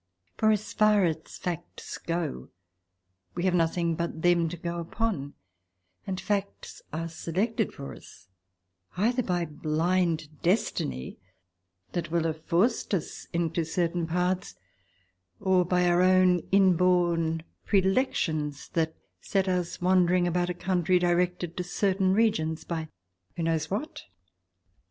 For, as far as facts go, we have nothing but them to go upon ; and facts are selected for us either by blind Destiny that will have forced us into certain paths, or by our own inborn predilections that set us wandering about a country, directed to certain regions by who knows what